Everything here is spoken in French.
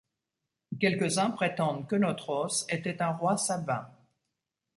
Quelques-uns prétendent qu'Œnotros était un roi sabin.